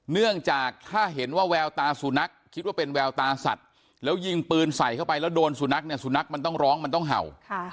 เนื่องจากถ้าเห็นว่าแววตาสุนัขคิดว่าเป็นแววตาสัตว์แล้วยิงปืนใส่เข้าไปแล้วโดนสุนัขเนี่ยสุนัขมันต้องร้องมันต้องเห่า